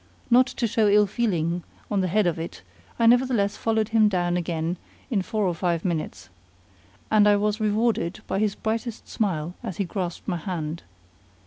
Not to show ill feeling on the head of it, I nevertheless followed him down again in four or five minutes. And I was rewarded by his brightest smile as he grasped my hand.